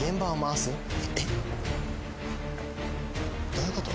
どういうこと？